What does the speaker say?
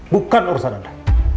bukan urusan anda